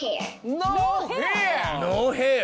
ノーヘア！